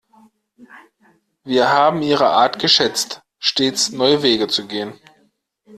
Wir haben ihre Art geschätzt, stets neue Wege zu gehen.